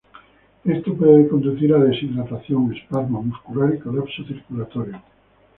Esto puede conducir a deshidratación, espasmo muscular y colapso circulatorio.